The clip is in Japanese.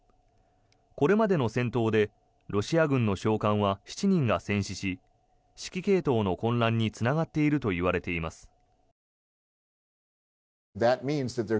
これまでの戦闘でロシア軍の将官は７人が戦死し指揮系統の混乱につながっているといわれています。